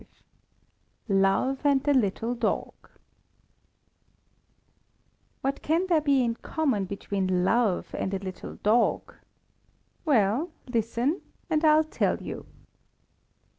V LOVE AND THE LITTLE DOG What can there be in common between love and a little dog? Well, listen! and I'll tell you.